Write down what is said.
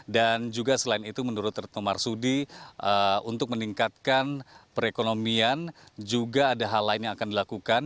dan juga selain itu menurut retno marsudi untuk meningkatkan perekonomian juga ada hal lain yang akan dilakukan